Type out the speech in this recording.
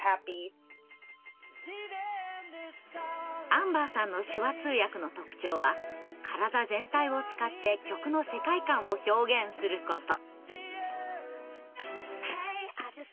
アンバーさんの手話通訳の特徴は体全体を使って曲の世界観を表現すること。